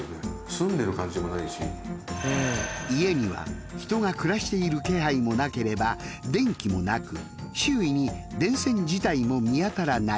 家には人が暮らしている気配もなければ電気もなく周囲に電線自体も見当たらない。